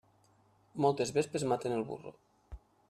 Moltes vespes maten el burro.